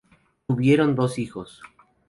Tuvieron dos hijos.